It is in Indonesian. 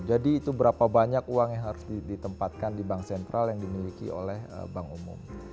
itu berapa banyak uang yang harus ditempatkan di bank sentral yang dimiliki oleh bank umum